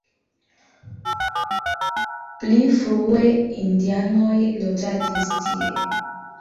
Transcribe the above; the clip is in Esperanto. Pli frue indianoj loĝadis tie.